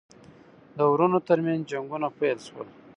د وروڼو ترمنځ جنګونه پیل شول.